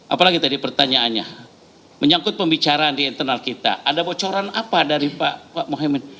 apalagi tadi pertanyaannya menyangkut pembicaraan di internal kita ada bocoran apa dari pak mohaimin